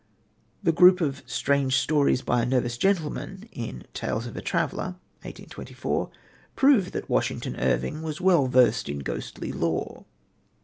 The group of "Strange Stories by a Nervous Gentleman" in Tales of a Traveller (1824) prove that Washington Irving was well versed in ghostly lore.